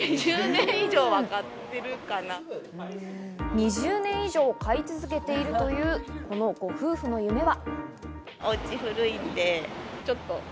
２０年以上買い続けているというこのご夫婦の夢は。